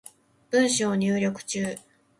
文章入力中